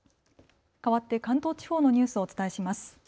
かわって関東地方のニュースをお伝えします。